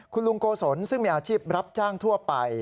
คุณลุงโกศลซึ่งมีอาชีพรับจ้างทั่วไป